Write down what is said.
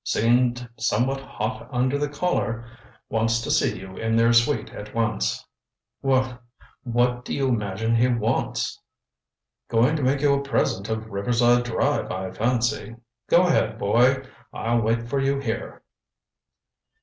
Seemed somewhat hot under the collar. Wants to see you in their suite at once." "Wha what do you imagine he wants?" "Going to make you a present of Riverside Drive, I fancy. Go ahead, boy. I'll wait for you here."